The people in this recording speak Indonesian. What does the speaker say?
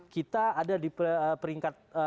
kita ada di peringkat